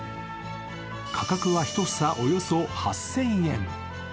価格は１房およそ８０００円。